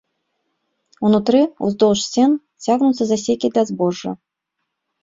Унутры, уздоўж сцен, цягнуцца засекі для збожжа.